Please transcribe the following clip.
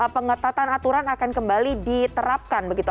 pengetatan aturan akan kembali diterapkan begitu